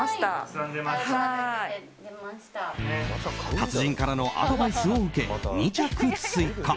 達人からのアドバイスを受け２着追加。